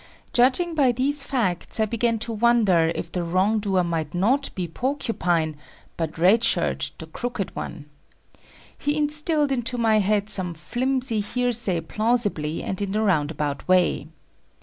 Judging by these facts, I began to wonder if the wrong doer might be not Porcupine, but Red Shirt the crooked one. He instilled into my head some flimsy hearsay plausibly and in a roundabout way.